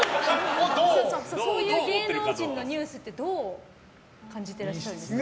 そういう芸能人のニュースってどう感じていらっしゃるんですか。